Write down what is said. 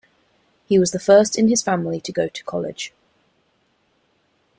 He was the first in his family to go to college.